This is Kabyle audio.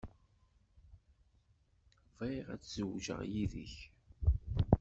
Bɣiɣ ad zewǧeɣ yid-k.